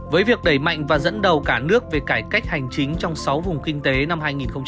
với việc đẩy mạnh và dẫn đầu cả nước về cải cách hành chính trong sáu vùng kinh tế năm hai nghìn hai mươi